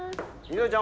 翠ちゃん